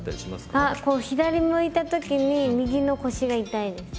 あっこう左向いた時に右の腰が痛いです。